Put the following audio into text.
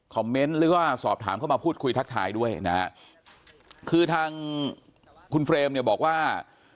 เมนต์หรือว่าสอบถามเข้ามาพูดคุยทักทายด้วยนะฮะคือทางคุณเฟรมเนี่ยบอกว่า